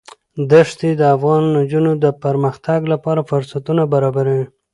دښتې د افغان نجونو د پرمختګ لپاره فرصتونه برابروي.